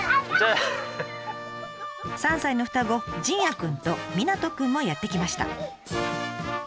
３歳の双子じんやくんとみなとくんもやって来ました。